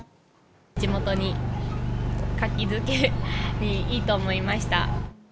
地元の活気づけにいいと思いました。